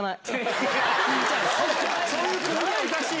そういう君がおかしい！